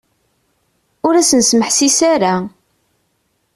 Ur asen-smeḥsis ara.